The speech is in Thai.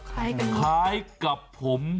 คล้ายกันมบคล้ายกันมบคล้ายกันมบ